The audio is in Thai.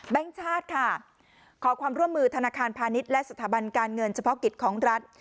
ชาติค่ะขอความร่วมมือธนาคารพาณิชย์และสถาบันการเงินเฉพาะกิจของรัฐ